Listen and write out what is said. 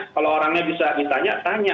kalau orangnya bisa ditanya tanya